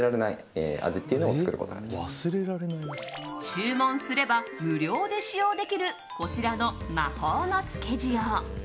注文すれば無料で使用できるこちらの魔法のつけ塩。